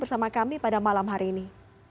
bersama kami pada malam hari ini